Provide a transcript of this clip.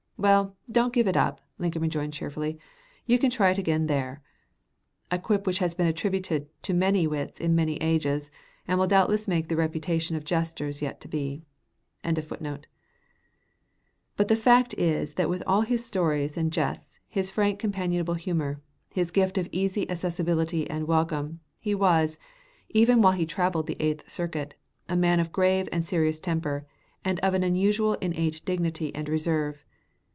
"Well, don't give it up," Lincoln rejoined cheerfully; "you can try it again there" a quip which has been attributed to many wits in many ages, and will doubtless make the reputation of jesters yet to be.] But the fact is that with all his stories and jests, his frank companionable humor, his gift of easy accessibility and welcome, he was, even while he traveled the Eighth Circuit, a man of grave and serious temper and of an unusual innate dignity and reserve.